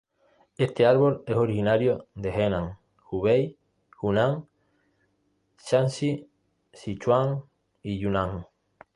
Este árbol es originario de Henan, Hubei, Hunan, Shaanxi, Sichuan y Yunnan.